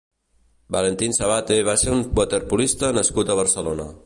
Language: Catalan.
Valentín Sabate va ser un waterpolista nascut a Barcelona.